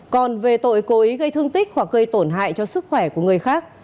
còn về tội cố ý gây thương tích hoặc gây tổn hại cho sức khỏe của người khác